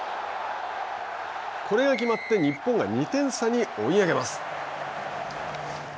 これが決まって日本が２点差に追い上げます。